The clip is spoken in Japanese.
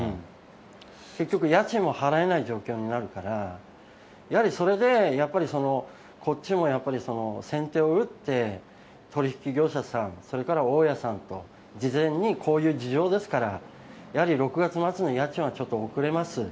結局家賃も払えない状況になるから、やはりそれで、やっぱりこっちもやっぱり、先手を打って、取り引き業者さん、それから大家さんと、事前にこういう事情ですから、やはり６月末の家賃はちょっと遅れます。